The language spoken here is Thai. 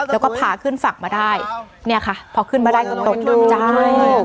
แล้วก็พาขึ้นฝั่งมาได้เนี่ยค่ะพอขึ้นมาได้ก็ตกน้ำใจ